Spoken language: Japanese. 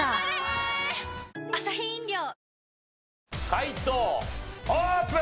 解答オープン！